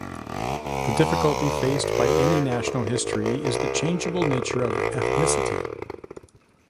The difficulty faced by any national history is the changeable nature of ethnicity.